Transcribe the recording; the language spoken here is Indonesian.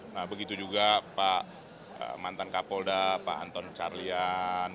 nah begitu juga pak mantan kapolda pak anton carlian